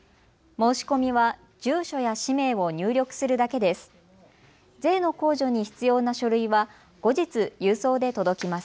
申し込みは住所や氏名を入力するだけです。